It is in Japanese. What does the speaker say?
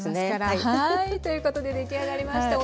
はいということで出来上がりました。